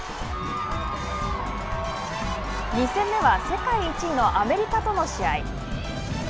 ２戦目は世界１位のアメリカとの試合。